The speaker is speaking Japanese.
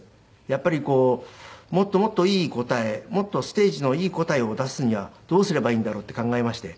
やっぱりもっともっといい答えもっとステージのいい答えを出すにはどうすればいいんだろう？って考えまして。